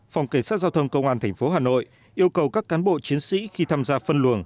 phòng cảnh sát giao thông công an tp hà nội yêu cầu các cán bộ chiến sĩ khi tham gia phân luồng